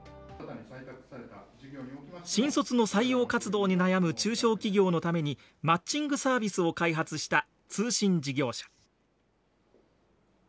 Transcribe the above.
新卒の採用活動に悩む中小企業のためにマッチングサービスを開発した通信事業者。